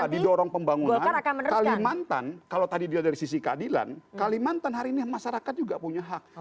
didorong pembangunan kalimantan kalau tadi dia dari sisi keadilan kalimantan hari ini masyarakat juga punya hak